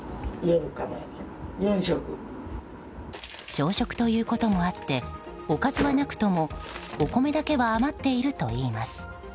小食ということもあっておかずはなくともお米だけは余っているといいます。